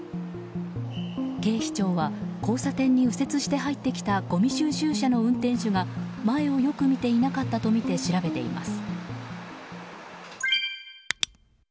警視庁は交差点に右折して入ってきたごみ収集車の運転手が前をよく見ていなかったとみて調べています。